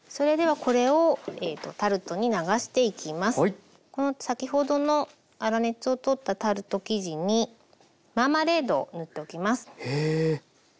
この先ほどの粗熱を取ったタルト生地にマーマレードを塗っときます。